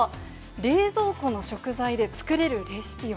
冷蔵庫の食材で作れるレシピは。